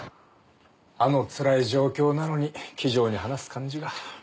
あのつらい状況なのに気丈に話す感じが。